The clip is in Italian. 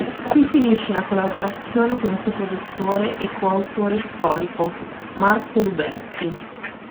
Qui finisce la collaborazione con il suo produttore e coautore storico, Marco Luberti.